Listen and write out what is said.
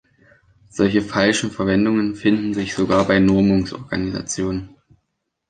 Solche falschen Verwendungen finden sich sogar bei Normungsorganisationen.